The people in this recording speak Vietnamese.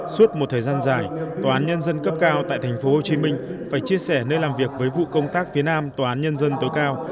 suốt một thời gian dài tòa án nhân dân cấp cao tại tp hcm phải chia sẻ nơi làm việc với vụ công tác phía nam tòa án nhân dân tối cao